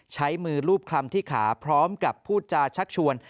ใช้มือรูปคลำที่ขาพร้อมกับพูดจาชักชวน